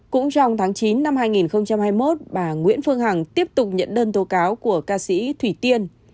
cũng trong tháng chín năm hai nghìn hai mươi một bà nguyễn phương hằng tiếp tục nhận đơn tố cáo của ca sĩ thủy tiên